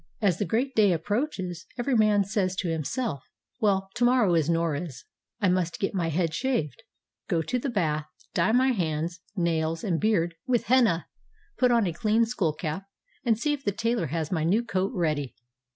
As the great day approaches, every man says to him self, "Well, to morrow is Noruz. I must get my head shaved, go to the bath, dye my hands, nails, and beard with henna, put on a clean skull cap, and see if the tailor has my new coat ready.